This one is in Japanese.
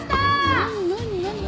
何何何何？